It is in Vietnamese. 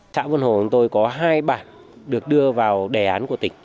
xã vân hồ của chúng tôi có hai bản được đưa vào đề án của tỉnh